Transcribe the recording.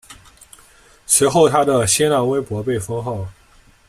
随后他的新浪微博被封号。